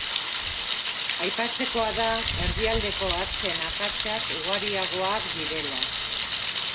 Aipatzekoa da erdialdeko hatzen akatsak ugariagoak direla.